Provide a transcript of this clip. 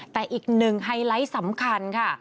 แต่อีกหนึ่งไฮไลท์สำคัญค่ะ